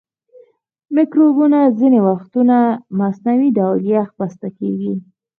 مکروبونه ځینې وختونه مصنوعي ډول یخ بسته کیږي.